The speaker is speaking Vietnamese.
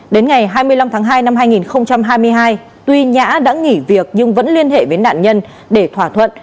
đến ngày hai mươi năm tháng hai năm hai nghìn hai mươi hai tuy nhã đã nghỉ việc nhưng vẫn liên hệ với nạn nhân để thỏa thuận